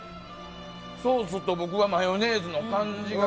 ソースとマヨネーズの感じが。